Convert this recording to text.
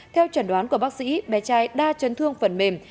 theo chuẩn đoán của bác sĩ bé trai đa chấn thương phần mềm